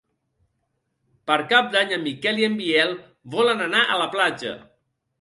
Per Cap d'Any en Miquel i en Biel volen anar a la platja.